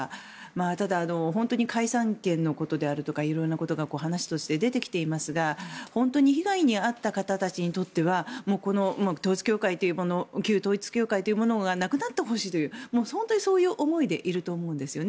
ただ、本当に解散権のことであるとか色んなことが話として出てきていますが被害に遭った方たちにとってはこの旧統一教会というものがなくなってほしいという本当にそういう思いでいると思うんですよね。